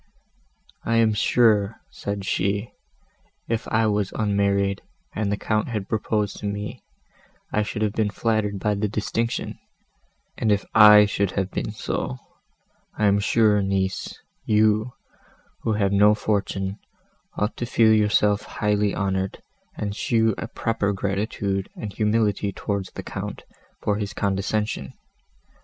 "I am sure," said she, "if I was unmarried, and the Count had proposed to me, I should have been flattered by the distinction: and if I should have been so, I am sure, niece, you, who have no fortune, ought to feel yourself highly honoured, and show a proper gratitude and humility towards the Count, for his condescension.